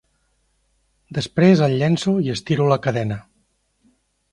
Després el llenço i estiro la cadena.